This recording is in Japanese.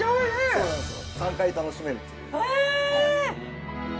そうなんですよ。